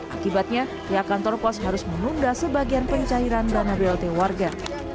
akibatnya pihak kantor pos harus menunda sebagian pencairan dana blt warga